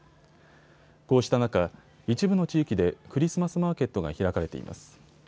こうした中、一部の地域でクリスマスマーケットが開かれています。